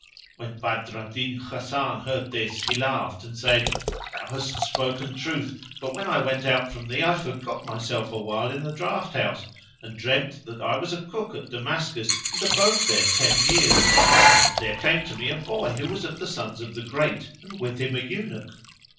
When Badr al Din Hasan heard this, he laughed, [FN#480] and said, "Thou hast spoken truth; but, when I went out from thee, I forgot myself awhile in the draught house and dreamed that I was a cook at Damascus and abode there ten years; and there came to me a boy who was of the sons of the great, and with him an Eunuch."